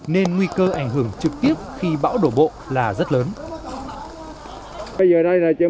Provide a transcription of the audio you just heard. nên nguy cơ ảnh hưởng trực tiếp khi bão đổ bộ là rất lớn